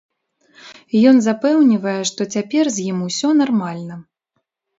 Ён запэўнівае, што цяпер з ім усё нармальна.